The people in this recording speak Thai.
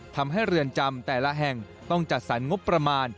ทำให้เรือนจำแต่ละแห่งต้องจัดสรรงบประมาณ